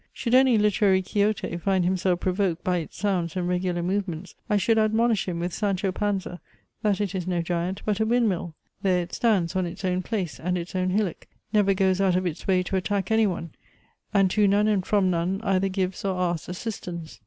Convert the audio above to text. Should any literary Quixote find himself provoked by its sounds and regular movements, I should admonish him with Sancho Panza, that it is no giant but a windmill; there it stands on its own place, and its own hillock, never goes out of its way to attack anyone, and to none and from none either gives or asks assistance.